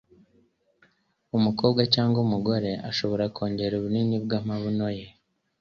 umukobwa cg umugore ashobora kongera ubunini bwamabuno ye